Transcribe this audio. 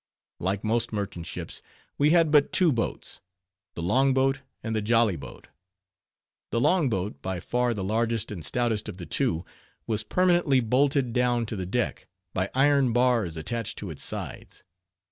Like most merchant ships, we had but two boats: the longboat and the jolly boat. The long boat, by far the largest and stoutest of the two, was permanently bolted down to the deck, by iron bars attached to its sides.